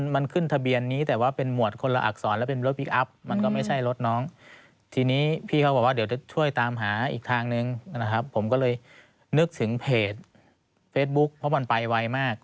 มันขึ้นทะเบียนนี้แต่ว่าเป็นหมวดคนละอักษรแล้วเป็นรถพลิกอัพมันก็ไม่ใช่รถน้องทีนี้พี่เขาบอกว่าเดี๋ยวจะช่วยตามหาอีกทางนึงนะครับผมก็เลยนึกถึงเพจเฟซบุ๊คเพราะมันไปไวมาก